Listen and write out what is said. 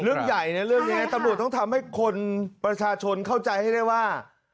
เรื่องใหญ่เลยนะเรื่องแบบนี้ต้องทำให้คนประชาชนเข้าใจให้ได้ว่า